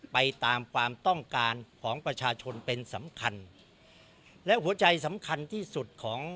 ไปตามความต้องการของประชาชนเป็นสำคัญและหัวใจสำคัญที่สุดของ